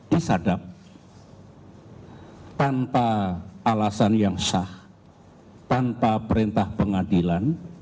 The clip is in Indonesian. disadap tanpa alasan yang sah tanpa perintah pengadilan